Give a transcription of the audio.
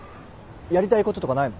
やりたいこととかないの？